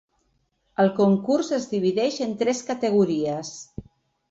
El concurs es divideix en tres categories.